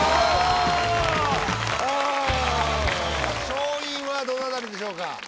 勝因はどの辺りでしょうか？